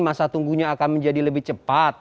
masa tunggunya akan menjadi lebih cepat